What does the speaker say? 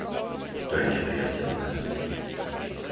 To je neprijateľné.